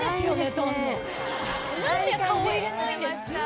何で顔入れないんですか？